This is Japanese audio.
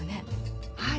はい。